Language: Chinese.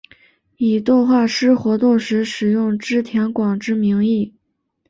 以动画师活动时使用织田广之名义。